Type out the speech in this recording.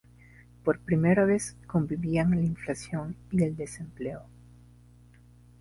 Por primera vez convivían la inflación y el desempleo.